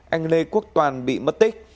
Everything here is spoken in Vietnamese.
anh lê quốc toàn bị mất tích